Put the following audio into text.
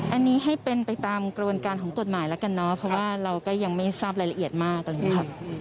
อันนี้ให้เป็นไปตามกระบวนการของกฎหมายแล้วกันเนาะเพราะว่าเราก็ยังไม่ทราบรายละเอียดมากตอนนี้ค่ะ